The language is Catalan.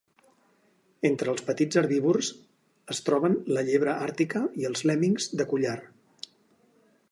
Entre els petits herbívors es troben la llebre àrtica i els lèmmings de collar.